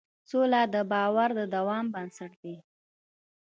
سوله د باور د دوام بنسټ ده.